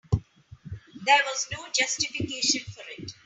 There was no justification for it.